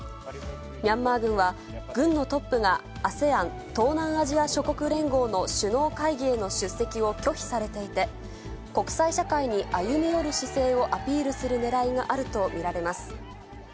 ミャンマー軍は、軍のトップがＡＳＥＡＮ・東南アジア諸国連合の首脳会議への出席を拒否されていて、国際社会に歩み寄る姿勢をアピールするねらいがあると見られます。